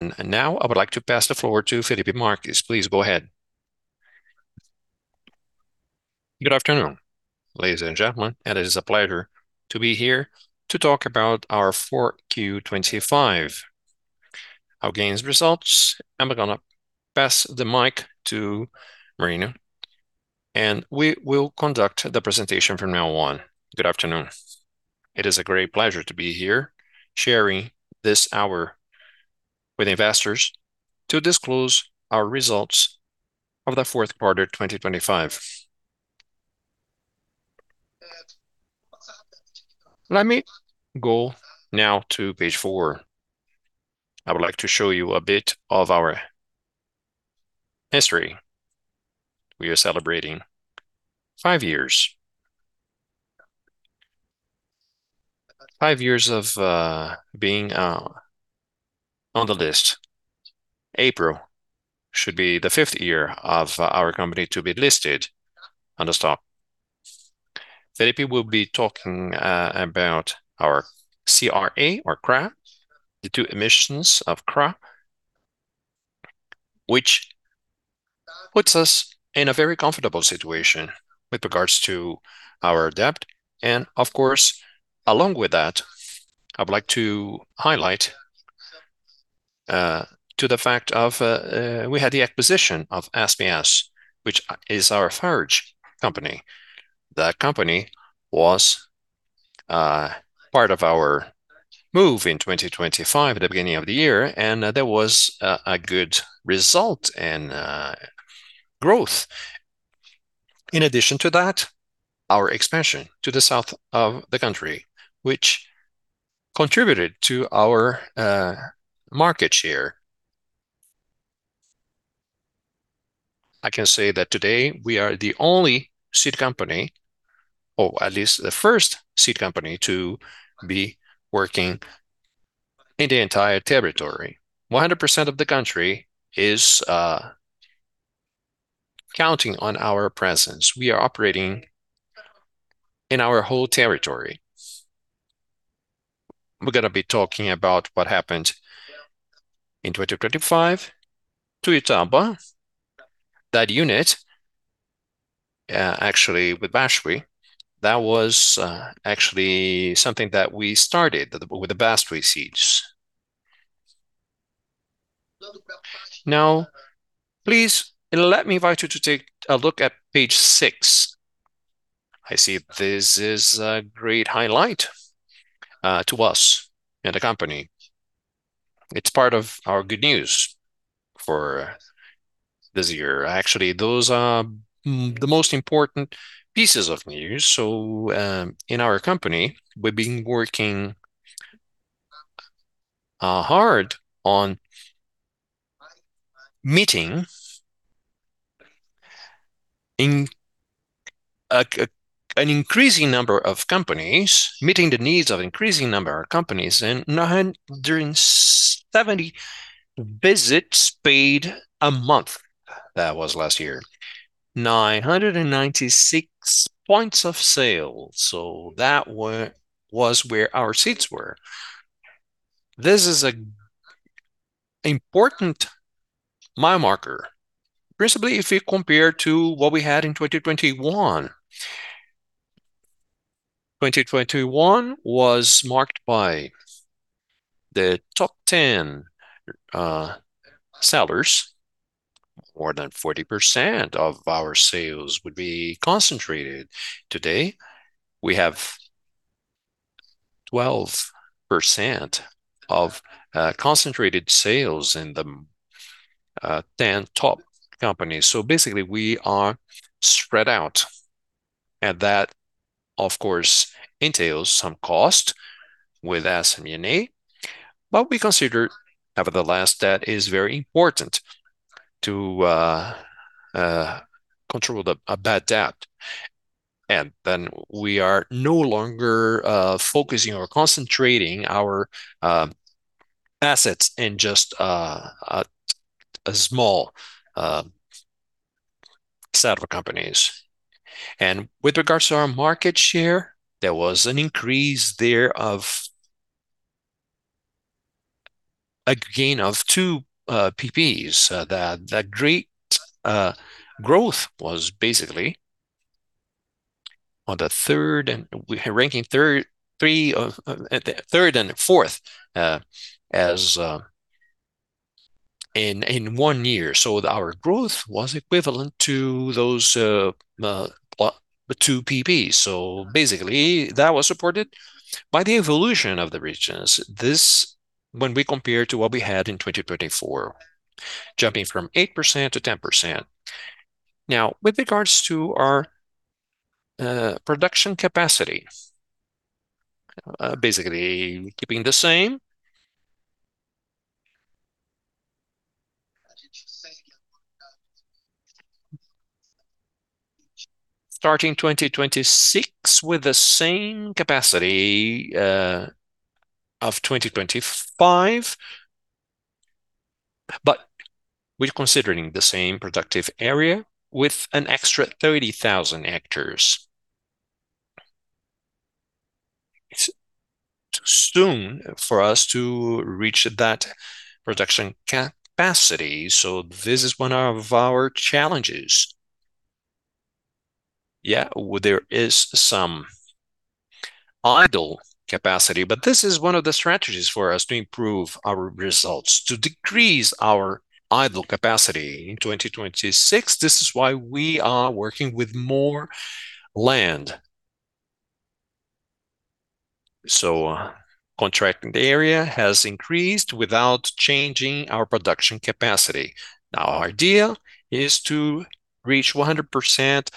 Now I would like to pass the floor to Felipe Marques. Please go ahead. Good afternoon, ladies and gentlemen. It is a pleasure to be here to talk about our 4Q 2025. Our earnings results. I'm gonna pass the mic to Marino, and we will conduct the presentation from now on. Good afternoon. It is a great pleasure to be here sharing this hour with investors to disclose our results of the fourth quarter, 2025. Let me go now to page four. I would like to show you a bit of our history. We are celebrating five years. Five years of being on the list. April should be the fifth year of our company to be listed on the stock. Felipe will be talking about our CRA, the two emissions of CRA, which puts us in a very comfortable situation with regards to our debt. Of course, along with that, I would like to highlight to the fact of we had the acquisition of SBS, which is our third company. That company was part of our move in 2025 at the beginning of the year, and there was a good result and growth. In addition to that, our expansion to the south of the country, which contributed to our market share. I can say that today we are the only seed company, or at least the first seed company to be working in the entire territory. 100% of the country is counting on our presence. We are operating in our whole territory. We're going to be talking about what happened in 2025 to Ituiutaba. That unit, actually with Bestway, that was, actually something that we started with the Bestway seeds. Now please let me invite you to take a look at page six. I see this is a great highlight to us and the company. It's part of our good news for this year. Actually, those are the most important pieces of news. In our company, we've been working hard on meeting the needs of an increasing number of companies and 900 during 70 visits paid a month. That was last year. 996 points of sale. That was where our seeds were. This is an important milestone, principally if you compare to what we had in 2021. 2021 was marked by the top 10 sellers. More than 40% of our sales would be concentrated. Today, we have 12% of concentrated sales in the 10 top companies. Basically we are spread out and that of course entails some cost with SG&A, but we consider nevertheless that is very important to control the bad debt. Then we are no longer focusing or concentrating our assets in just a small set of companies. With regards to our market share, there was an increase there of a gain of 2 percentage points. That great growth was basically ranking third and fourth in one year. Our growth was equivalent to those, well, the 2 percentage points. Basically that was supported by the evolution of the regions. When we compare to what we had in 2024, jumping from 8%-10%. Now with regards to our production capacity, basically keeping the same. Starting 2026 with the same capacity of 2025, but we're considering the same productive area with an extra 30,000 hectares. Too soon for us to reach that production capacity, so this is one of our challenges. Yeah, there is some idle capacity, but this is one of the strategies for us to improve our results, to decrease our idle capacity in 2026. This is why we are working with more land. Contracting the area has increased without changing our production capacity. Now our idea is to reach 100%,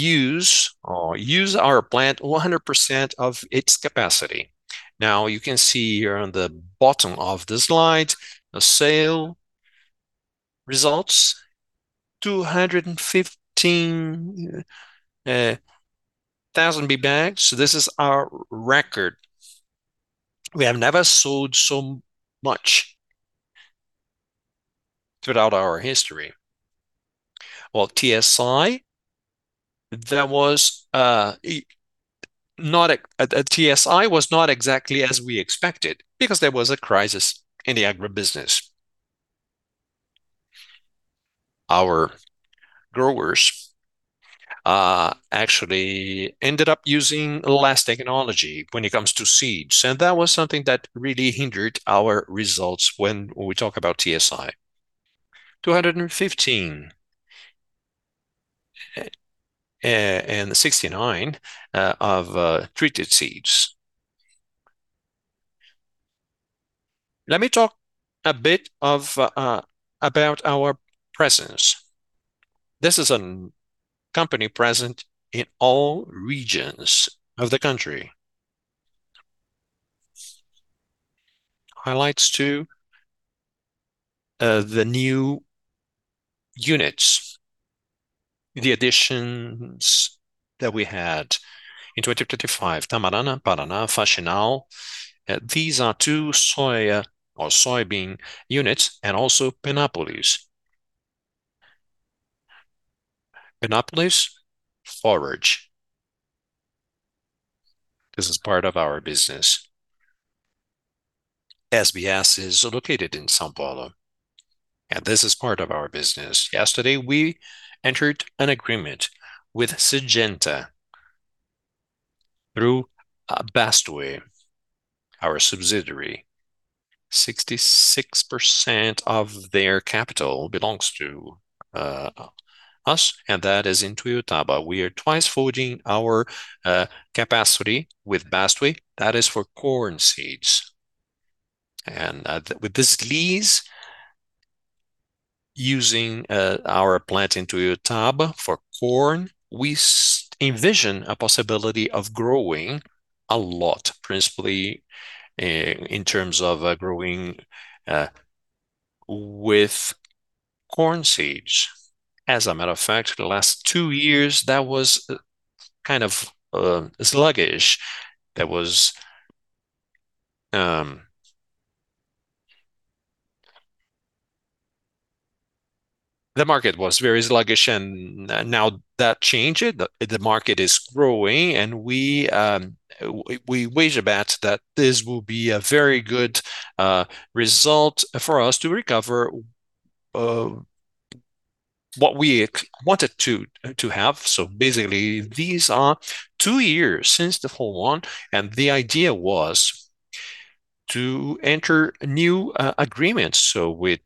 use or use our plant 100% of its capacity. Now you can see here on the bottom of the slide, the sales results 215,000 bags. So this is our record. We have never sold so much throughout our history. Well, TSI was not exactly as we expected because there was a crisis in the agribusiness. Our growers actually ended up using less technology when it comes to seeds, and that was something that really hindered our results when we talk about TSI. 215,000 and 269,000 treated seeds. Let me talk a bit about our presence. This is a company present in all regions of the country. Highlights to the new units, the additions that we had in 2025, Tamarana, Paraná, Faxinal. These are two soya or soybean units, and also Penápolis. Penápolis Forage. This is part of our business. SBS is located in São Paulo, and this is part of our business. Yesterday, we entered an agreement with Syngenta through Bestway, our subsidiary. 66% of their capital belongs to us, and that is in Ituiutaba. We are doubling our capacity with Bestway. That is for corn seeds. With this lease, using our plant in Ituiutaba for corn, we envision a possibility of growing a lot, principally in terms of growing with corn seeds. As a matter of fact, the last two years, that was kind of sluggish. That was the market was very sluggish, and now that changed. The market is growing and we wager a bet that this will be a very good result for us to recover what we wanted to have. Basically, these are two years since the whole war, and the idea was to enter new agreements, so with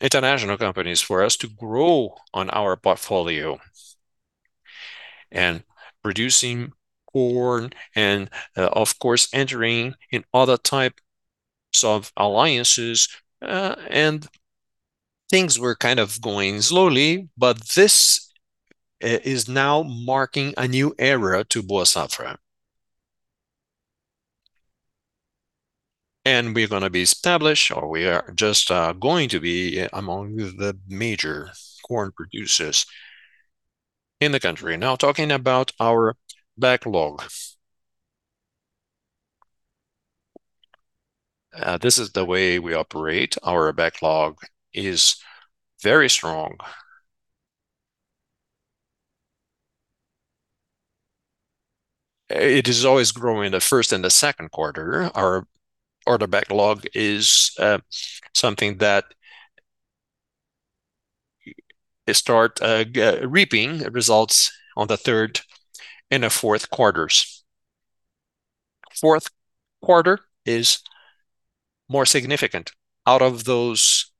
international companies for us to grow on our portfolio and producing corn and, of course, entering in other types of alliances, and things were kind of going slowly, but this is now marking a new era to Boa Safra. We're gonna be established, or we are just going to be among the major corn producers in the country. Now talking about our backlog. This is the way we operate. Our backlog is very strong. It is always growing in the first and the second quarter. Our order backlog is something that start reaping results on the third and the fourth quarters. Fourth quarter is more significant. Out of those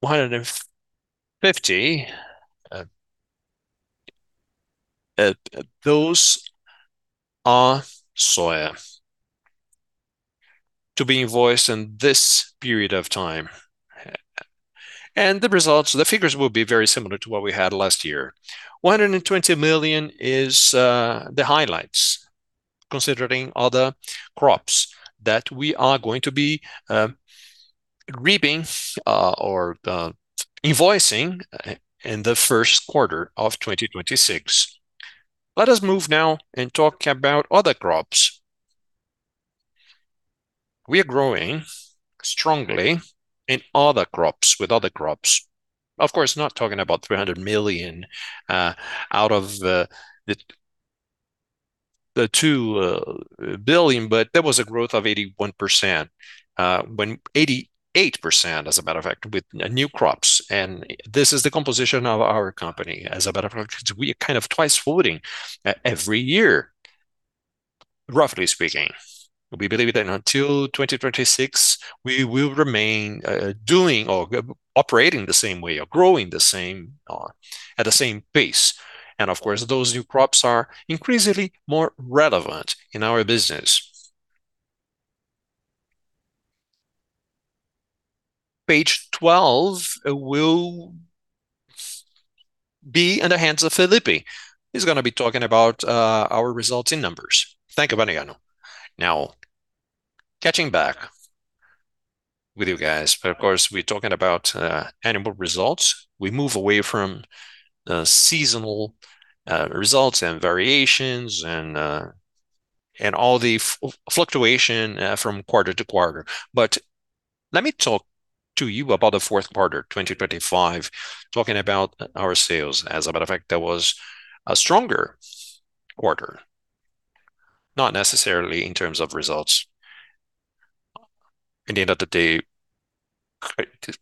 150, those are soya to be invoiced in this period of time. The results, the figures will be very similar to what we had last year. 120 million is the highlights, considering other crops that we are going to be reaping or invoicing in the first quarter of 2026. Let us move now and talk about other crops. We are growing strongly in other crops, with other crops. Of course, not talking about 300 million out of the 2 billion, but there was a growth of 81%, 88% as a matter of fact, with new crops. This is the composition of our company. As a matter of fact, we are kind of doubling every year, roughly speaking. We believe that until 2026 we will remain doing or operating the same way or growing the same at the same pace. Of course, those new crops are increasingly more relevant in our business. Page 12 will be in the hands of Felipe. He's gonna be talking about our results in numbers. Thank you Marino. Now, catching back with you guys, of course, we're talking about annual results. We move away from seasonal results and variations and all the fluctuation from quarter-to-quarter. Let me talk to you about the fourth quarter, 2025, talking about our sales. As a matter of fact, that was a stronger quarter, not necessarily in terms of results. At the end of the day,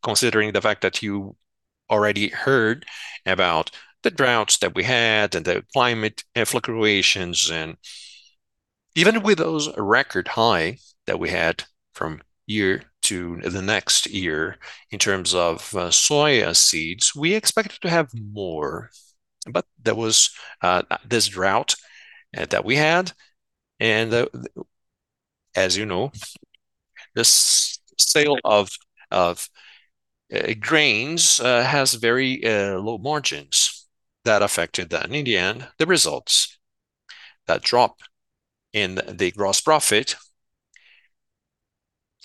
considering the fact that you already heard about the droughts that we had and the climate fluctuations. Even with those record high that we had from year to the next year in terms of soya seeds, we expected to have more. There was this drought that we had and as you know, the sale of grains has very low margins that affected that. In the end, the results, that drop in the gross profit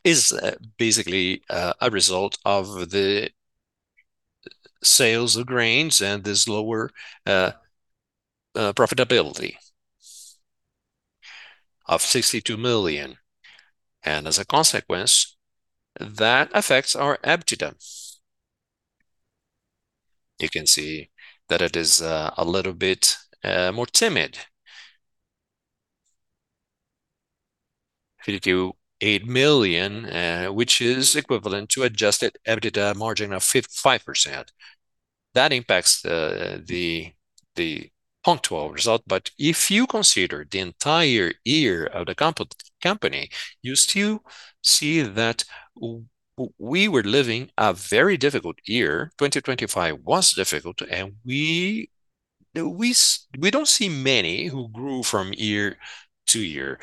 is basically a result of the sales of grains and this lower profitability of 62 million. As a consequence, that affects our EBITDA. You can see that it is a little bit more timid. 58 million, which is equivalent to adjusted EBITDA margin of 55%. That impacts the punctual result. If you consider the entire year of the company, you still see that we were living a very difficult year. 2025 was difficult, we don't see many who grew from year to year.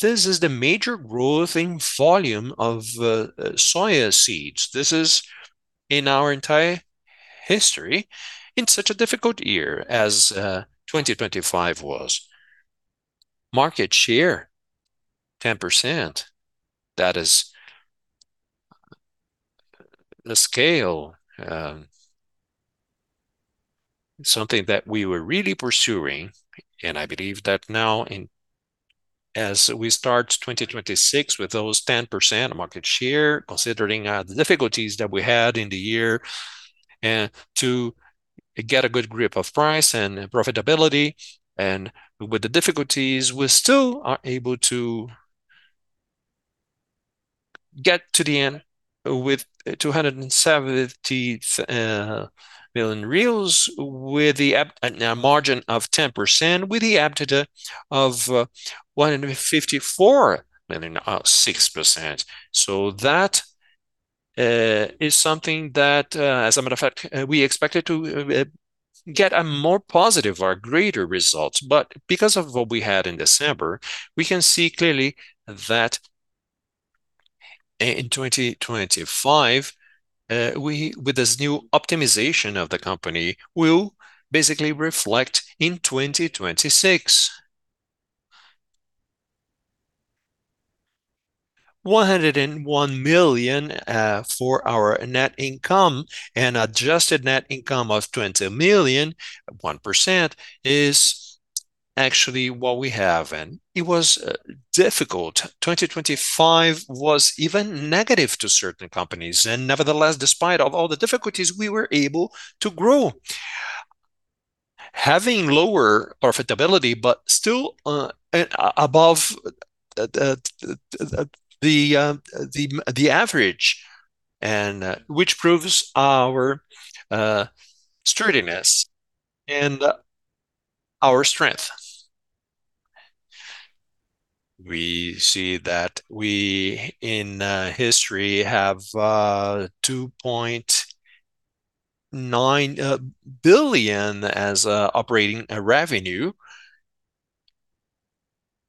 This is the major growth in volume of soya seeds. This is in our entire history in such a difficult year as 2025 was. Market share, 10%. That is the scale, something that we were really pursuing, and I believe that now as we start 2026 with those 10% market share, considering the difficulties that we had in the year to get a good grip of price and profitability. With the difficulties, we still are able to get to the end with 270 million with the EBITDA margin of 10%, with the EBITDA of BRL 154 million, 6%. That is something that, as a matter of fact, we expected to get a more positive or greater results. Because of what we had in December, we can see clearly that in 2025, we with this new optimization of the company will basically reflect in 2026. 101 million for our net income and adjusted net income of 20 million, 1% is actually what we have. It was difficult. 2025 was even negative to certain companies. Nevertheless, despite of all the difficulties, we were able to grow. Having lower profitability, but still above the average and which proves our sturdiness and our strength. We see that we in history have 2.9 billion as operating revenue.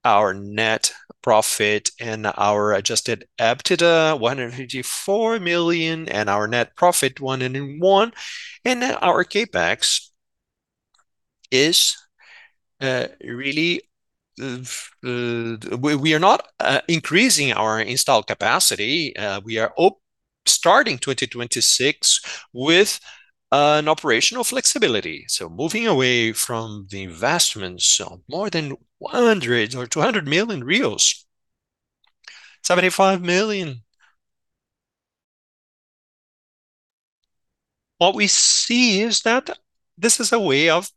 Our net profit and our adjusted EBITDA, 154 million, and our net profit 101 million. Our CapEx is really. We are not increasing our installed capacity, we are starting 2026 with an operational flexibility. Moving away from the investments of more than 100 million or 200 million reais, 75 million. What we see is that this is a way of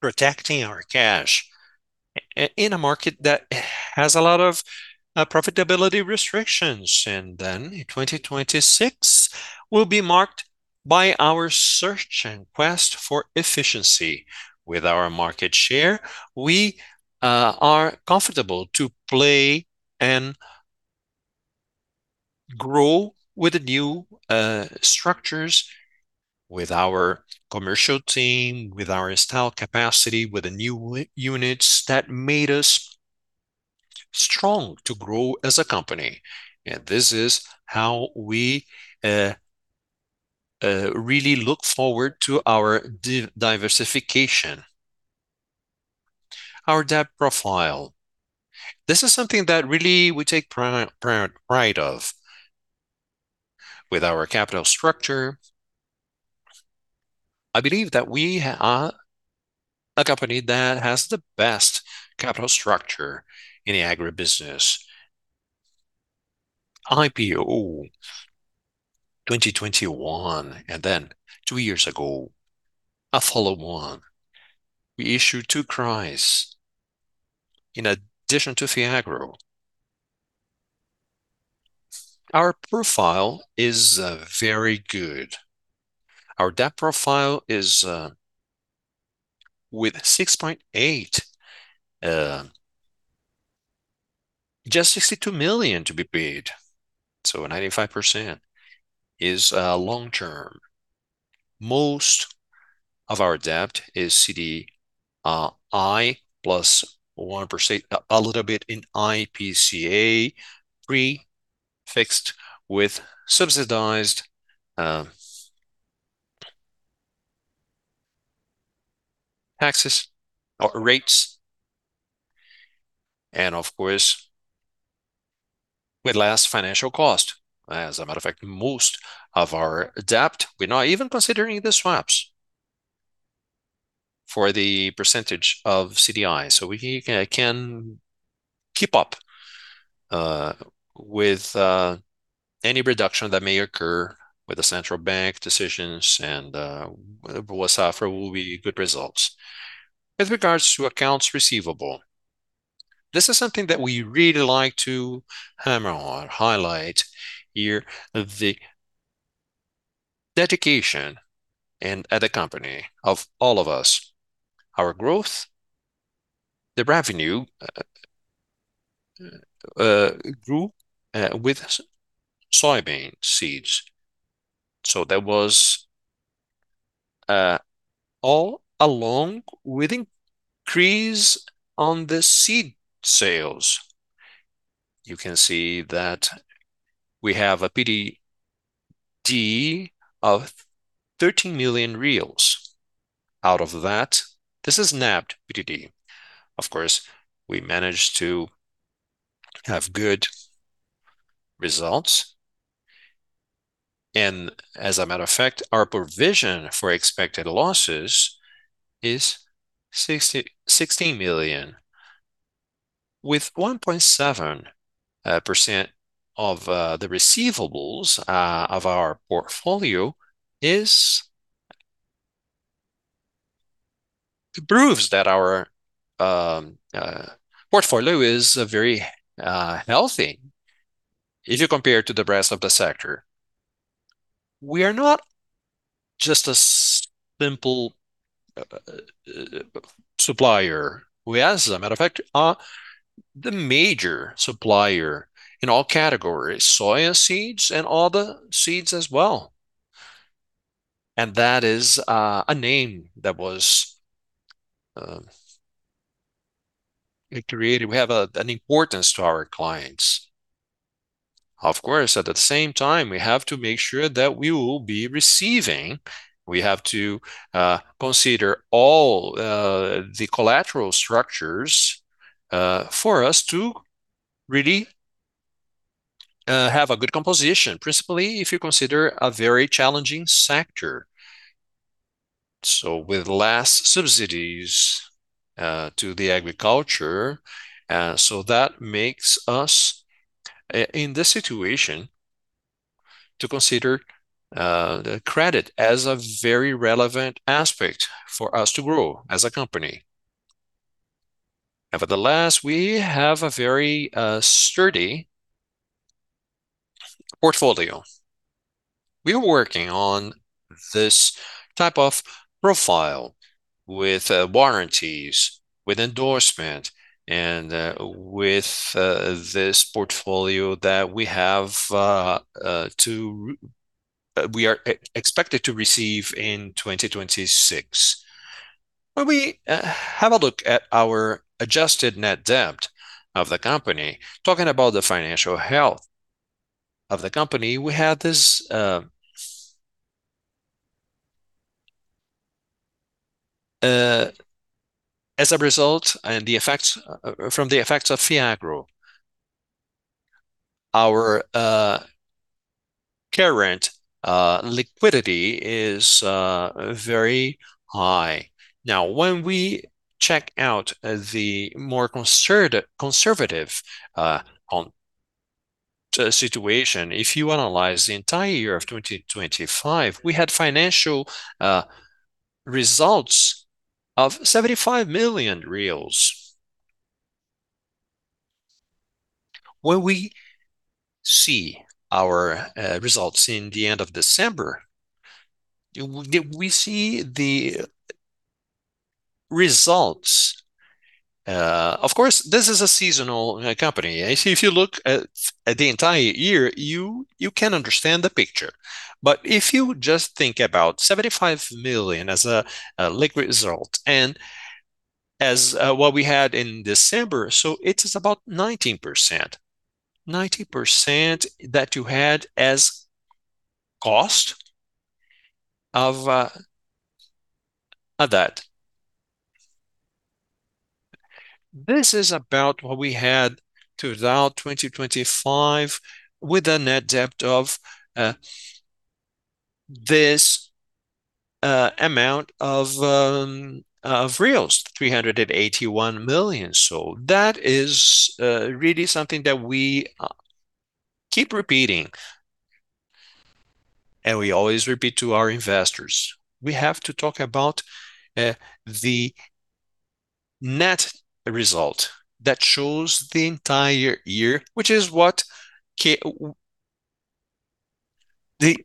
protecting our cash in a market that has a lot of profitability restrictions. 2026 will be marked by our search and quest for efficiency with our market share. We are comfortable to play and grow with the new structures, with our commercial team, with our installed capacity, with the new units that made us strong to grow as a company. This is how we really look forward to our diversification. Our debt profile. This is something that really we take pride of with our capital structure. I believe that we are a company that has the best capital structure in agribusiness. IPO 2021, and then two years ago, a follow-on. We issued two CRAs in addition to Fiagro. Our profile is very good. Our debt profile is with 6.8, just 62 million to be paid. So 95% is long-term. Most of our debt is CDI +1%, a little bit in IPCA, pre-fixed with subsidized taxes or rates. Of course, with less financial cost. As a matter of fact, most of our debt, we're not even considering the swaps for the percentage of CDI. We can keep up with any reduction that may occur with the central bank decisions and what's offered will be good results. With regards to accounts receivable, this is something that we really like to hammer on, highlight here the dedication and at the company of all of us, our growth, the revenue grew with soybean seeds. That was all along with increase on the seed sales. You can see that we have a PDD of 13 million reais. Out of that, this is net PDD. Of course, we managed to have good results. As a matter of fact, our provision for expected losses is BRL 16 million. With 1.7% of the receivables of our portfolio. It proves that our portfolio is very healthy if you compare to the rest of the sector. We are not just a simple supplier. We, as a matter of fact, are the major supplier in all categories, soya seeds and all the seeds as well. That is a name that was created. We have an importance to our clients. Of course, at the same time, we have to make sure that we will be receiving. We have to consider all the collateral structures for us to really have a good composition, principally if you consider a very challenging sector with less subsidies to the agriculture. That makes us in this situation to consider the credit as a very relevant aspect for us to grow as a company. Nevertheless, we have a very sturdy portfolio. We are working on this type of profile with warranties, with endorsement, and with this portfolio that we are expected to receive in 2026. When we have a look at our adjusted net debt of the company, talking about the financial health of the company, we had this as a result, and the effects of Fiagro, our current liquidity is very high. Now, when we check out the more conservative scenario, if you analyze the entire year of 2025, we had financial results of BRL 75 million. When we see our results at the end of December, we see the results. Of course, this is a seasonal company. If you look at the entire year, you can understand the picture. If you just think about 75 million as a liquid result and as what we had in December, it is about 19%. 90% that you had as cost of that. This is about what we had throughout 2025 with a net debt of this amount of 381 million. That is really something that we keep repeating and we always repeat to our investors. We have to talk about the net result that shows the entire year, which is what. The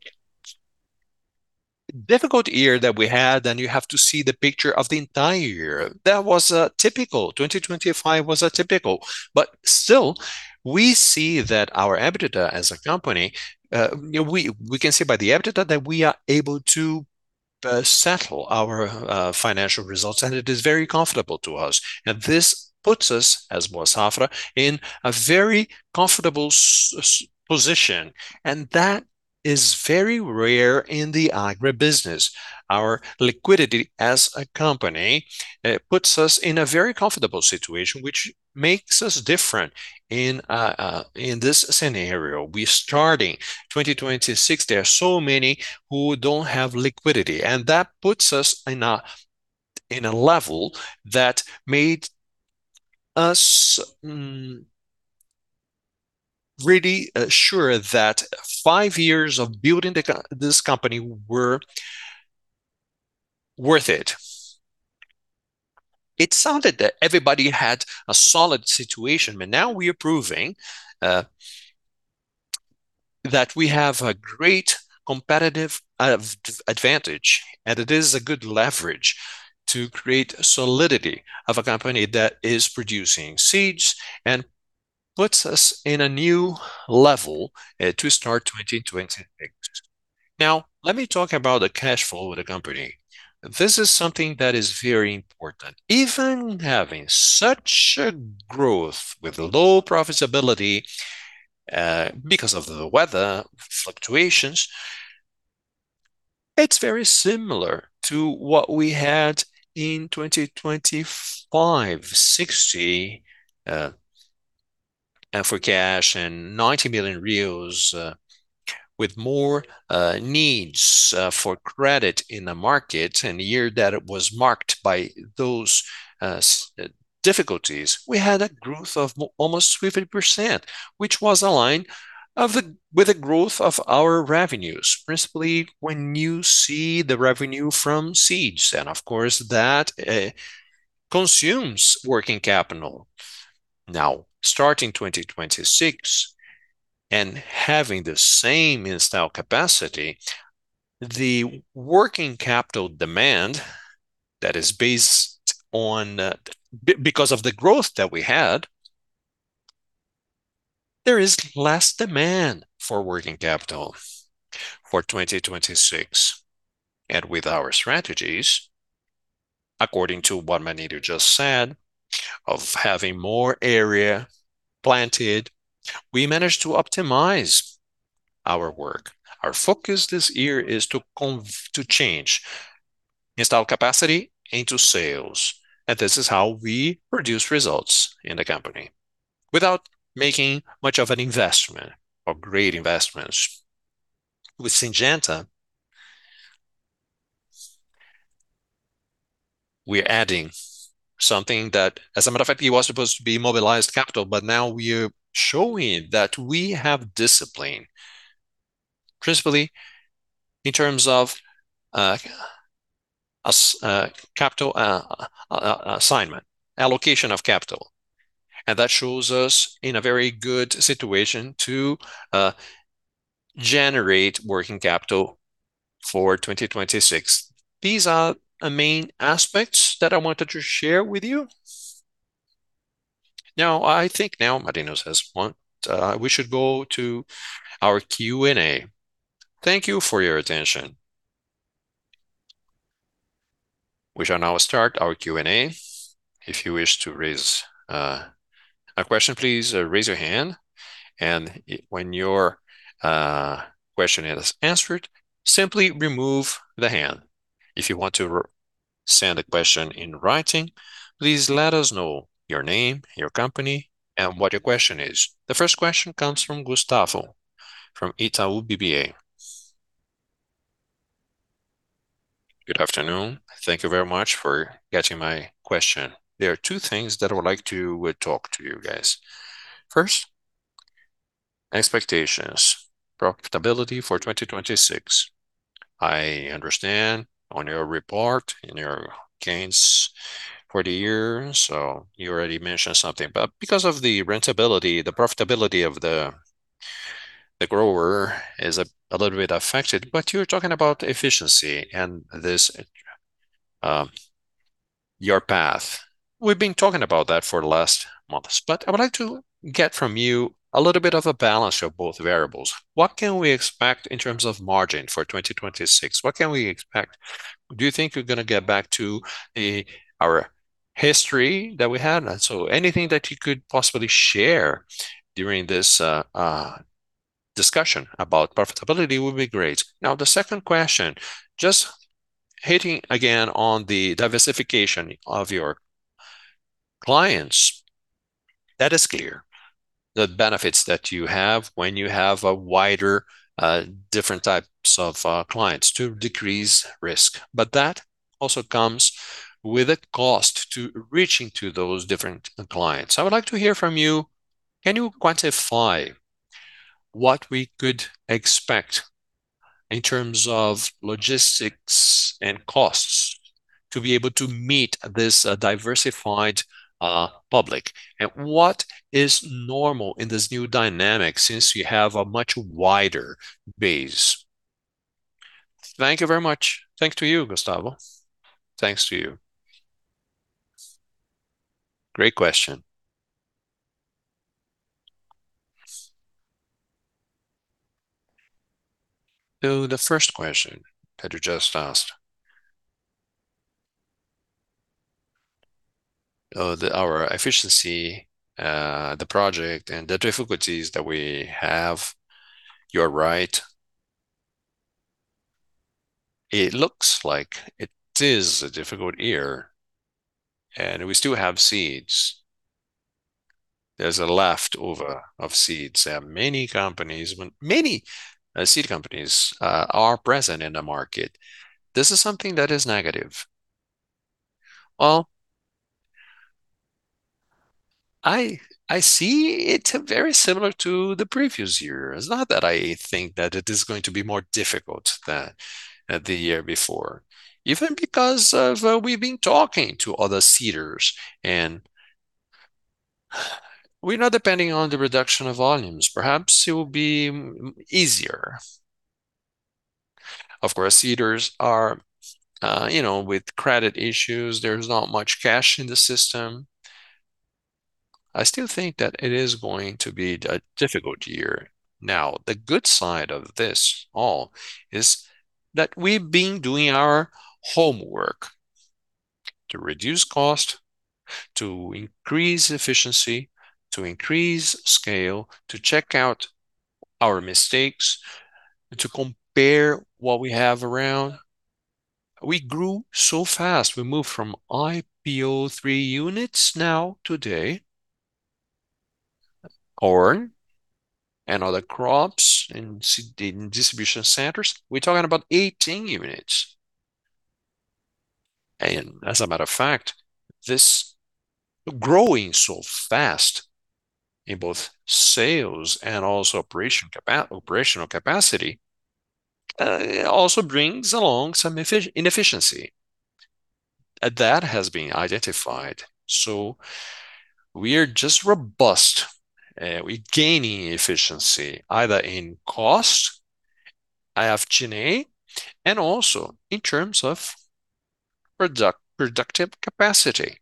difficult year that we had, and you have to see the picture of the entire year, that was atypical. 2025 was atypical. We see that our EBITDA as a company, we can say by the EBITDA that we are able to settle our financial results, and it is very comfortable to us. This puts us, as Boa Safra, in a very comfortable position, and that is very rare in the agribusiness. Our liquidity as a company puts us in a very comfortable situation, which makes us different in this scenario. We're starting 2026. There are so many who don't have liquidity, and that puts us in a level that made us really assure that five years of building this company were worth it. It sounded that everybody had a solid situation, but now we are proving that we have a great competitive advantage, and it is a good leverage to create solidity of a company that is producing seeds and puts us in a new level to start 2026. Now, let me talk about the cash flow of the company. This is something that is very important. Even having such a growth with low profitability because of the weather fluctuations, it's very similar to what we had in 2025, 60 million and BRL 40 million cash and 90 million reais, with more needs for credit in the market in the year that it was marked by those difficulties. We had a growth of almost 50%, which was aligned with the growth of our revenues, principally when you see the revenue from seeds, and of course, that consumes working capital. Now, starting 2026 and having the same installed capacity, the working capital demand that is because of the growth that we had, there is less demand for working capital for 2026. With our strategies, according to what Marino just said, of having more area planted, we managed to optimize our work. Our focus this year is to change installed capacity into sales, and this is how we produce results in the company without making much of an investment or great investments. With Syngenta, we're adding something that, as a matter of fact, it was supposed to be mobilized capital, but now we are showing that we have discipline, principally in terms of capital allocation, and that shows us in a very good situation to generate working capital for 2026. These are the main aspects that I wanted to share with you. Now, I think Marino has one. We should go to our Q&A. Thank you for your attention. We shall now start our Q&A. If you wish to raise a question, please raise your hand, and when your question is answered, simply remove the hand. If you want to send a question in writing, please let us know your name, your company, and what your question is. The first question comes from Gustavo from Itaú BBA. Good afternoon. Thank you very much for getting my question. There are two things that I would like to talk to you guys. First, expectations, profitability for 2026. I understand on your report, in your gains for the year, so you already mentioned something. Because of the rentability, the profitability of the grower is a little bit affected. You're talking about efficiency and this, your path. We've been talking about that for the last months, but I would like to get from you a little bit of a balance of both variables. What can we expect in terms of margin for 2026? What can we expect? Do you think we're gonna get back to our history that we had? Anything that you could possibly share during this discussion about profitability would be great. Now, the second question, just hitting again on the diversification of your clients. That is clear, the benefits that you have when you have a wider, different types of, clients to decrease risk. But that also comes with a cost to reaching to those different clients. I would like to hear from you, can you quantify what we could expect in terms of logistics and costs to be able to meet this diversified, public? And what is normal in this new dynamic since you have a much wider base? Thank you very much. Thanks to you, Gustavo. Thanks to you. Great question. So the first question that you just asked. Our efficiency, the project and the difficulties that we have. You're right. It looks like it is a difficult year, and we still have seeds. There's a leftover of seeds. Many seed companies are present in the market. This is something that is negative. Well, I see it very similar to the previous year. It's not that I think that it is going to be more difficult than the year before. Even because of, we've been talking to other seeders and we're not depending on the reduction of volumes, perhaps it will be easier. Of course, seeders are, you know, with credit issues, there's not much cash in the system. I still think that it is going to be a difficult year. Now, the good side of this all is that we've been doing our homework to reduce cost, to increase efficiency, to increase scale, to check out our mistakes, to compare what we have around. We grew so fast. We moved from three units now today, corn and other crops in distribution centers. We're talking about 18 units. This growing so fast in both sales and also operational capacity, it also brings along some inefficiency. That has been identified. We are just robust. We're gaining efficiency either in cost, SG&A, and also in terms of productive capacity.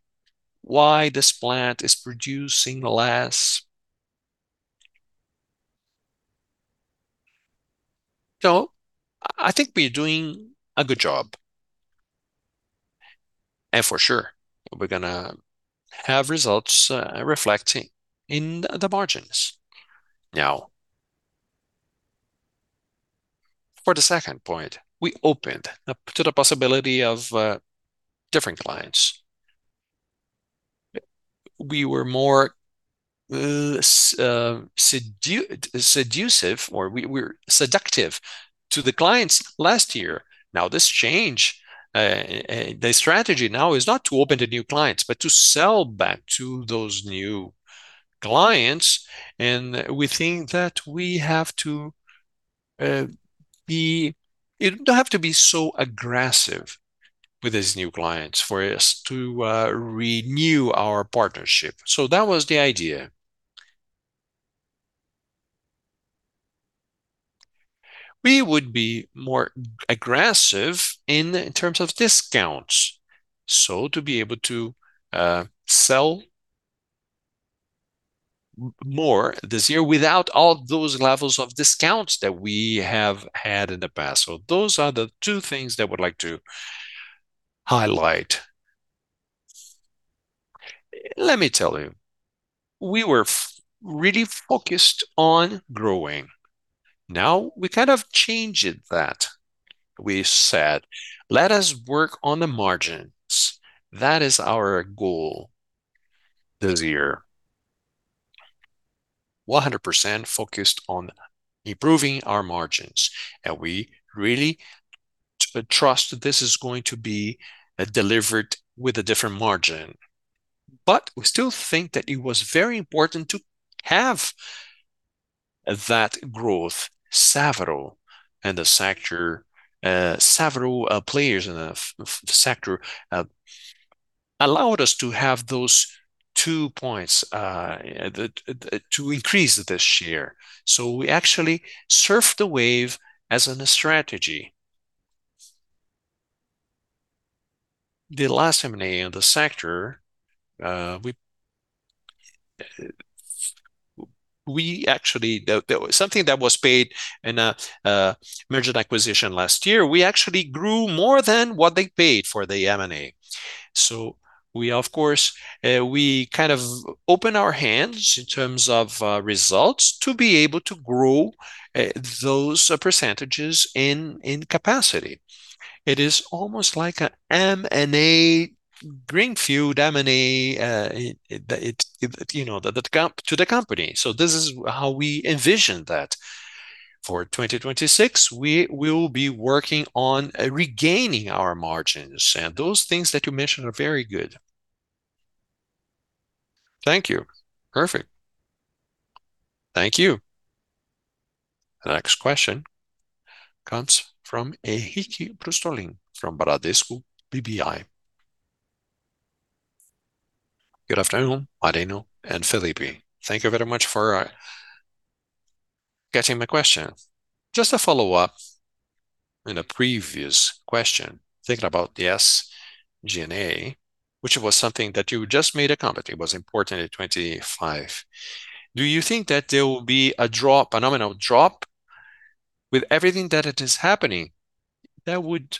While this plant is producing less. I think we're doing a good job. For sure, we're gonna have results reflecting in the margins. For the second point, we opened up to the possibility of different clients. We were more selective or we're selective to the clients last year. This change, the strategy now is not to open to new clients, but to sell back to those new clients. We think that we have to. You don't have to be so aggressive with these new clients for us to renew our partnership. That was the idea. We would be more aggressive in terms of discounts. To be able to sell more this year without all those levels of discounts that we have had in the past. Those are the two things that I would like to highlight. Let me tell you, we were really focused on growing. Now we kind of changed that. We said, "Let us work on the margins." That is our goal this year. 100% focused on improving our margins, and we really trust that this is going to be delivered with a different margin. We still think that it was very important to have that growth. Several players in the sector allowed us to have those two points to increase this year. We actually surfed the wave as a strategy. The last M&A in the sector, the sum that was paid in a merger and acquisition last year, we actually grew more than what they paid for the M&A. We of course kind of open our hands in terms of results to be able to grow those percentages in capacity. It is almost like a greenfield M&A, you know, compared to the company. This is how we envisioned that. For 2026, we will be working on regaining our margins, and those things that you mentioned are very good. Thank you. Perfect. Thank you. The next question comes from Henrique Brustolin from Bradesco BBI. Good afternoon, Marino and Felipe. Thank you very much for getting my question. Just a follow-up in a previous question, thinking about the SG&A, which was something that you just made a comment. It was important in 2025. Do you think that there will be a drop, a nominal drop with everything that it is happening? That would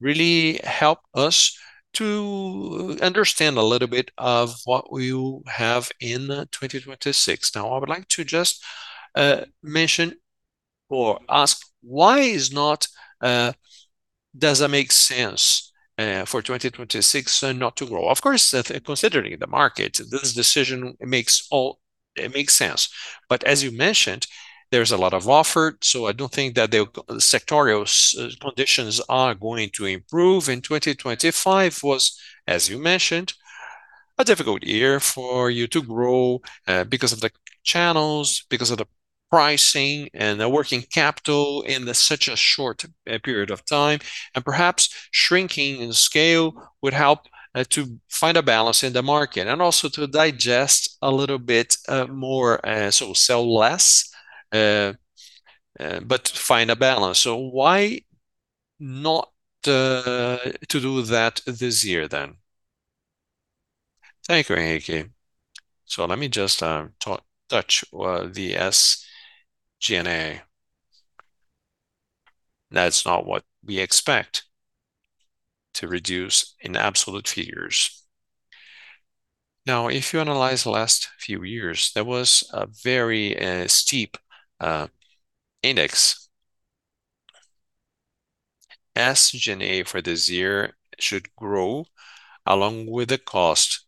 really help us to understand a little bit of what we will have in 2026. Now, I would like to just mention or ask, does it make sense for 2026 not to grow? Of course, that considering the market, this decision makes sense. But as you mentioned, there's a lot of offer, so I don't think that the sectoral conditions are going to improve. 2025 was, as you mentioned, a difficult year for you to grow, because of the channels, because of the pricing and the working capital in such a short period of time. Perhaps shrinking in scale would help, to find a balance in the market and also to digest a little bit, more, sell less, but find a balance. Why not to do that this year then? Thank you, Henrique. Let me just touch the SG&A. That's not what we expect to reduce in absolute figures. Now, if you analyze the last few years, there was a very steep increase. SG&A for this year should grow along with the cost.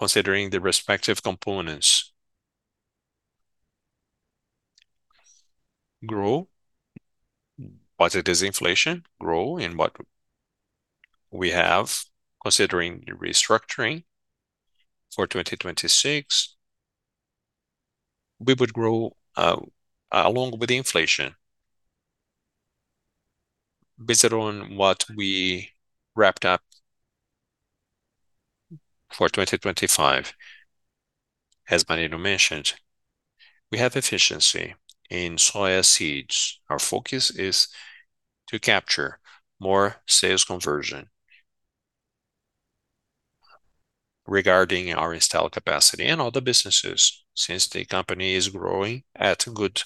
Considering the respective components grow, but it is inflation growth in what we have considering the restructuring for 2026. We would grow along with the inflation based on what we wrapped up for 2025. As Marino mentioned, we have efficiency in soya seeds. Our focus is to capture more sales conversion regarding our installed capacity and other businesses since the company is growing at good